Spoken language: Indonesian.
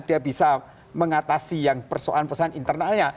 dia bisa mengatasi yang persoalan persoalan internalnya